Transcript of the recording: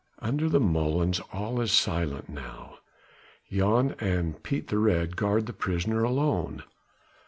Under the molens all is silent now. Jan and Piet the Red guard the prisoner alone.